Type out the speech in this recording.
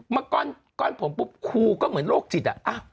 มาก้อนผมปุ๊บครูก็เหมือนโรคจิต